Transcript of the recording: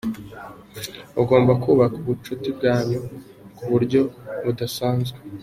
Ugomba kubaka ubucuti bwanyu ku buryo budasanzwe.